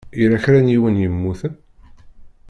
Yella kra n yiwen i yemmuten?